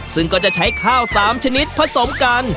ซึ่งก็จะใช้ข้าว๓ชนิดผสมกัน